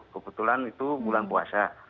kebetulan itu bulan puasa